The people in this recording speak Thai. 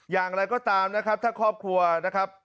อย่างไรก็ตามนะครับถ้าครอบครัวนะครับ